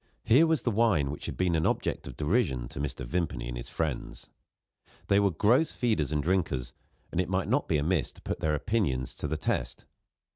Here was the wine which had been an object of derision to Mr. Vimpany and his friends. They were gross feeders and drinkers; and it might not be amiss to put their opinions to the test.